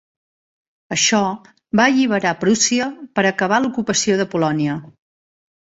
Això va alliberar Prússia per acabar l'ocupació de Polònia.